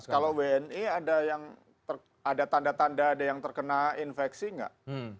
kalau wni ada yang ada tanda tanda ada yang terkena infeksi nggak